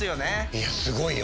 いやすごいよ